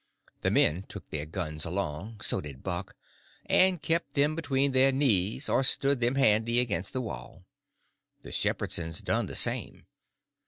The men took their guns along, so did Buck, and kept them between their knees or stood them handy against the wall. The Shepherdsons done the same.